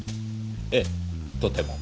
ええとても。